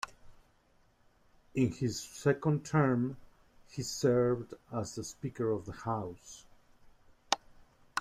In his second term, he served as the Speaker of the House.